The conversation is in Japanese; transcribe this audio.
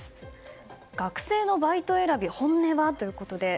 学生のバイト選び、本音は？ということで。